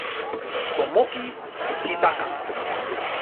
Tomoki Hidaka